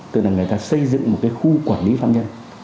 tự là người ta xây dựng một khu quản lý phạm nhân